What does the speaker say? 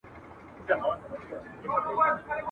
ماته د یارانو د مستۍ خبري مه کوه !.